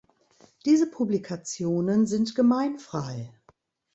Diese Publikationen sind gemeinfrei.